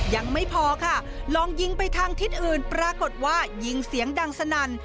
ยังไม่พอค่ะลองยิงไปทางทิศอื่นปรากฏว่ายิงเสียงดังสนั่น